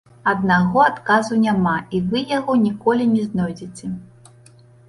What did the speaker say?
Аднаго адказу няма, і вы яго ніколі не знойдзеце.